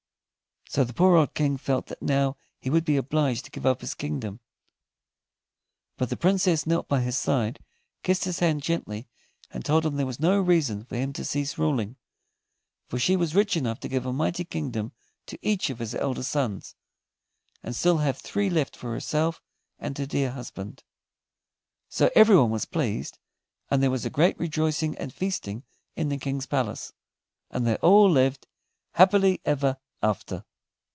So the poor old King felt that now he would be obliged to give up his kingdom. But the Princess knelt by his side, kissed his hand gently, and told him that there was no reason for him to cease ruling, for she was rich enough to give a mighty kingdom to each of his elder sons, and still have three left for herself and her dear husband. So everyone was pleased, and there was great rejoicing and feasting in the King's palace, and they all lived happily ever after.